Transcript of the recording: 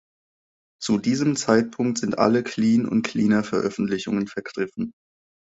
Zu diesem Zeitpunkt sind alle Cleen- und Cleaner-Veröffentlichungen vergriffen.